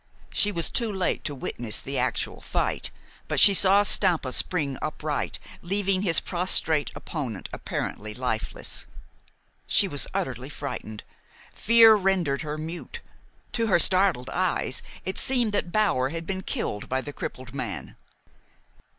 She was too late to witness the actual fight; but she saw Stampa spring upright, leaving his prostrate opponent apparently lifeless. She was utterly frightened. Fear rendered her mute. To her startled eyes it seemed that Bower had been killed by the crippled man.